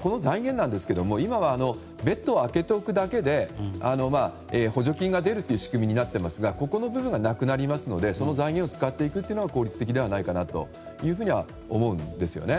この財源ですが今はベッドを空けておくだけで補助金が出る仕組みになっていますがそこの部分がなくなりますのでその財源を使っていくのが効率的ではないかなと思うんですよね。